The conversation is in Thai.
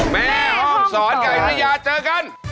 แมวโฮสอนกับอินุญาเจอกัน